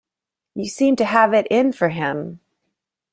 You seem to have it in for him.